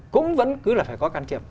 cũng vẫn cứ là phải có can triệp